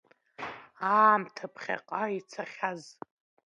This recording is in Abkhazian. Аамҭа ԥхьаҟа ицахьаз.